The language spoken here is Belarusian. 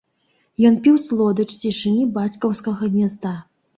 Ён піў слодыч цішыні бацькаўскага гнязда.